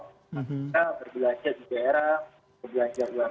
maksudnya berbelanja di daerah berbelanja di luar